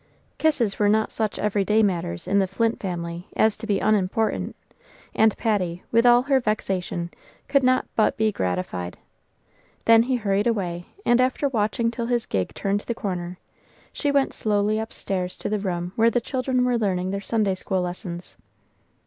Kisses were not such every day matters in the Flint family as to be unimportant, and Patty, with all her vexation, could not but be gratified. Then he hurried away, and, after watching till his gig turned the corner, she went slowly upstairs to the room where the children were learning their Sunday school lessons.